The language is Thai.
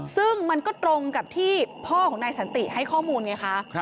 ซึ่งมันก็ตรงกับที่พ่อของนายสันติให้ข้อมูลไงคะ